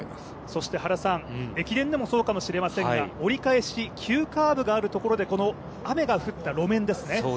そして駅伝でもそうかもしれませんが折り返し急カーブがあるところで雨が降った路面ですね。